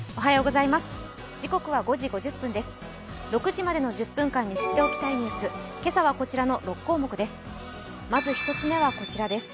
６時までの１０分間に知っておきたいニュース、今朝はこちらの６項目です。